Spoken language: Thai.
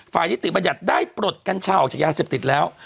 ฝ่ายนิติประหยัดได้ปลดกัญชาออกจากยาเสพติดแล้ว